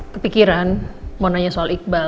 kepikiran mau nanya soal iqbal